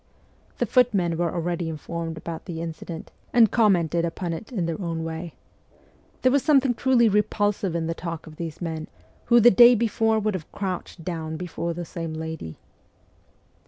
The footmen were already informed about the incident, and commented upon it in their own way. There was something truly repulsive in the talk of these men, who the day before would have crouched down before the same lady.